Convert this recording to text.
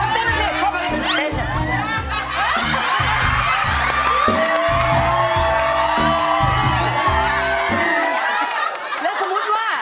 พ่อเชื่อมันในตัวลูกพ่อได้